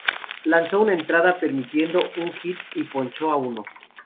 Lanzó una entrada, permitiendo un hit y ponchó a uno.